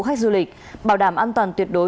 khách du lịch bảo đảm an toàn tuyệt đối